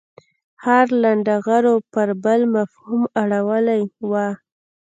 ښار لنډه غرو پر بل مفهوم اړولې وه.